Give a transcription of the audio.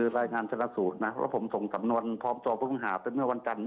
รายงานเท่านั้นศูนย์ผมส่งทำนวนพร้อมจอพึ่งหาเจ้าเมื่อวันจันทร์